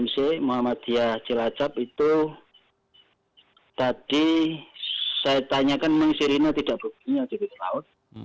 mdmc muhammadiyah jelajap itu tadi saya tanyakan mengisirinnya tidak berbunyi di bawah laut